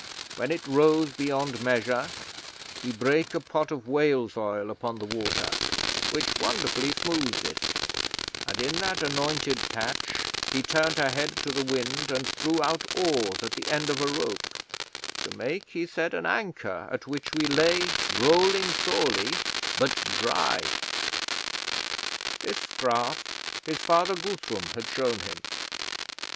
When it rose beyond measure he brake a pot of whale's oil upon the water, which wonderfully smoothed it, and in that anointed patch he turned her head to the wind and threw out oars at the end of a rope, to make, he said, an anchor at which we lay rolling sorely, but dry. This craft his father Guthrum had shown him.